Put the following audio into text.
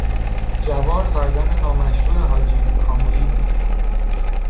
جواد فرزند نامشروع حاجی کامویی بود.